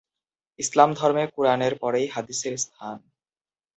ইসলাম ধর্মে কুরআনের পরই হাদিসের স্থান।